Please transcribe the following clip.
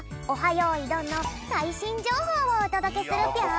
よいどん」のさいしんじょうほうをおとどけするぴょん！